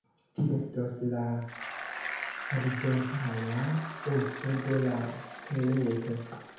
Tio estos la horizontala "osto" de la skeleto.